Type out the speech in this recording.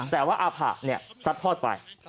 แต่ว่าอาภะเนี่ยซัดทอดไป